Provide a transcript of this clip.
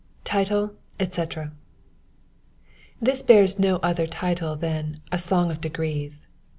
TiTiiB, ETC.— This hears no oOier title than " A Song of degrees.